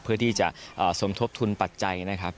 เพื่อที่จะสมทบทุนปัจจัยนะครับ